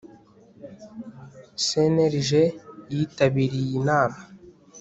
cnlg yitabiriye iyi nama